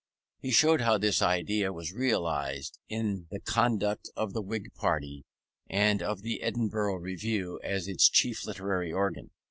He showed how this idea was realized in the conduct of the Whig party, and of the Edinburgh Review as its chief literary organ.